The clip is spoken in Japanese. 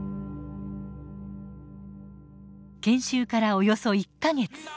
研修からおよそ１か月。